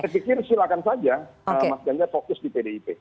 saya pikir silakan saja mas ganjar fokus di pdip